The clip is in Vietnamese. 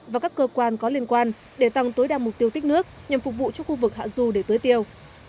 và các cơ quan có liên quan để tăng tối đa mục tiêu tích nước nhằm phục vụ cho khu vực hạ du để tưới tiêu